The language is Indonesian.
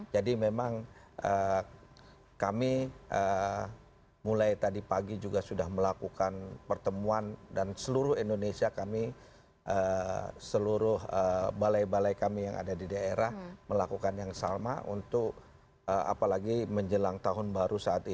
jadi memang kami mulai tadi pagi juga sudah melakukan pertemuan dan seluruh indonesia kami seluruh balai balai kami yang ada di daerah melakukan yang sama untuk apalagi menjelang tahun baru saat ini